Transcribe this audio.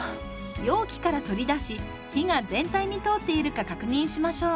容器から取り出し火が全体に通っているか確認しましょう。